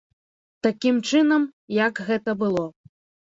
Такім чынам, як гэта было.